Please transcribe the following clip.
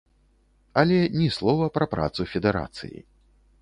Але ні слова пра працу федэрацыі.